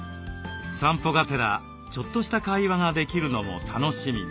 散歩がてらちょっとした会話ができるのも楽しみに。